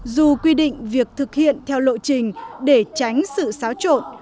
dù quy định việc thực hiện theo lộ trình để tránh sự xáo trộn